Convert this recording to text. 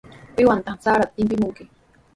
¿Piwantaq sarata tipimunki?